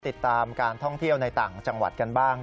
ติดตามการท่องเที่ยวในต่างจังหวัดกันบ้าง